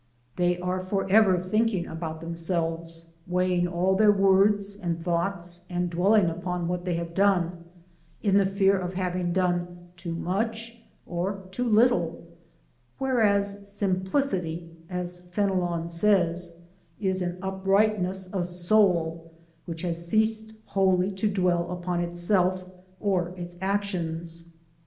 They are forever thinking about themselves, weighing all their words and thoughts and dwelling upon what they have done, in the fear of having done too much or too little, whereas simplicity, as Fenelon says, is an uprightness of soul which has ceased wholly to dwell upon itself or its actions.